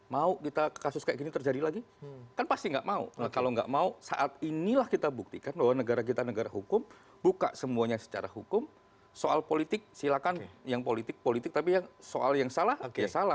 mau kita kasus kayak gini terjadi lagi kan pasti nggak mau kalau nggak mau saat inilah kita buktikan bahwa negara kita negara hukum buka semuanya secara hukum soal politik silakan yang politik politik tapi yang soal yang salah ya salah